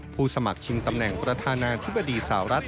ผู้สมัครชิงตำแหน่งประธานาธิบดีสาวรัฐ